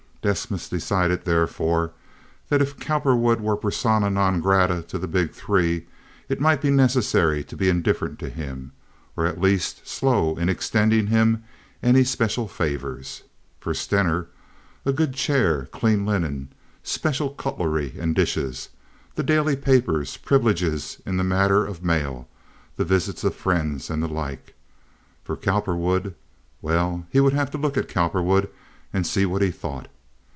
Desmas decided, therefore, that if Cowperwood were persona non grata to the "Big Three," it might be necessary to be indifferent to him, or at least slow in extending him any special favors. For Stener a good chair, clean linen, special cutlery and dishes, the daily papers, privileges in the matter of mail, the visits of friends, and the like. For Cowperwood—well, he would have to look at Cowperwood and see what he thought.